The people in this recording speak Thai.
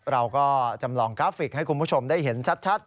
เราก็จำลองกราฟิกให้คุณผู้ชมได้เห็นชัด